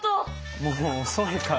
もう遅いから。